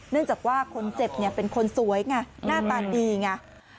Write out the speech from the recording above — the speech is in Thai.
เนื่องจากว่าคนเจ็บเป็นคนสวยไงหน้าตาดีไง